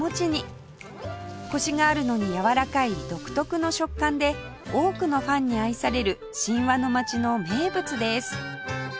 コシがあるのにやわらかい独特の食感で多くのファンに愛される神話の町の名物です